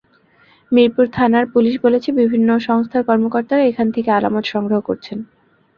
মিরপুর থানার পুলিশ বলেছে, বিভিন্ন সংস্থার কর্মকর্তারা এখান থেকে আলামত সংগ্রহ করছেন।